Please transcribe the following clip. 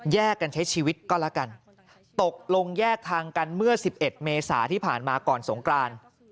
กันใช้ชีวิตก็แล้วกันตกลงแยกทางกันเมื่อ๑๑เมษาที่ผ่านมาก่อนสงกราน